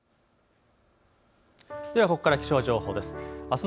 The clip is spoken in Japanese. ここから気象情報です。